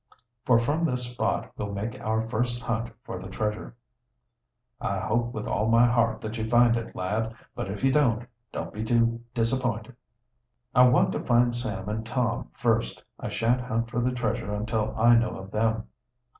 "For from this spot we'll make our first hunt for the treasure." "I hope with all my heart that you find it, lad. But if you don't, don't be too disappointed." "I want to find Sam and Tom first. I shan't hunt for the treasure until I know of them."